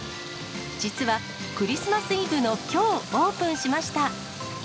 実は、クリスマスイブのきょうオープンしました。